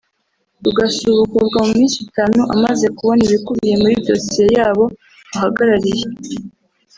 rugasubukurwa mu minsi itanu amaze kubona ibikubiye muri dosiye y’abo ahagarariye